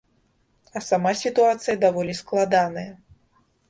А сама сітуацыя даволі складаная.